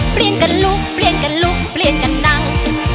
เปลี่ยนกันลุกเปลี่ยนกันลุกเปลี่ยนกันนั่ง